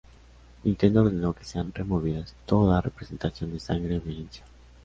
Nintendo ordenó que sean removidas toda representación de sangre o violencia.